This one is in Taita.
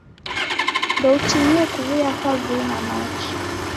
Ndoutimie kuw'uya kavui na machi.